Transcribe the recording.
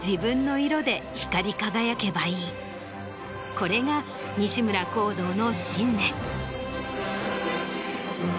これが西村宏堂の信念。